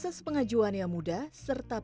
proses pengajuan yang mudah dan juga perubahan